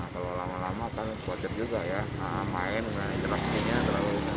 kalau lama lama kan wajar juga ya main berani jeraknya terlalu banyak